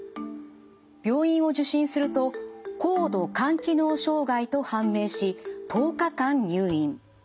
病院を受診すると高度肝機能障害と判明し１０日間入院。